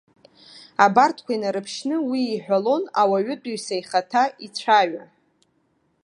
Абарҭқәа инарыԥшьны уи иҳәалон ауаҩытәыҩса ихаҭа ицәаҩа.